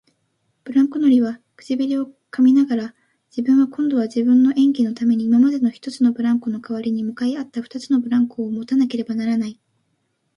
ブランコ乗りは唇をかみながら、自分は今度は自分の演技のために今までの一つのブランコのかわりに向かい合った二つのブランコをもたなければならない、